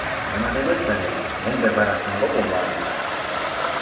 Nemad ei mõtle nii, nende päralt on kogu maailma aeg.